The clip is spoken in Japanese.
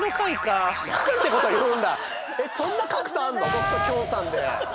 僕ときょんさんで。